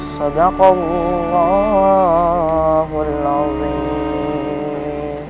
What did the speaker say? sadakum allahul a'zim